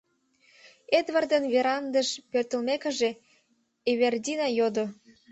— Эдвардын верандыш пӧртылмекыже, Эвердина йодо.